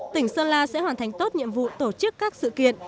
tỉnh sơn la sẽ hoàn thành tốt nhiệm vụ tổ chức các sự kiện